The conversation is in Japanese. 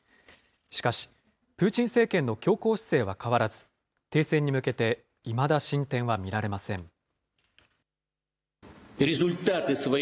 しかし、プーチン政権の強硬姿勢は変わらず、停戦に向けていまだ進展は見られません。